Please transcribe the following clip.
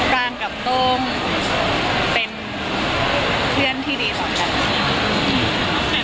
รางกับโต้งเป็นเพื่อนที่ดีต่อกัน